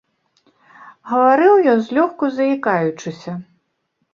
Гаварыў ён злёгку заікаючыся.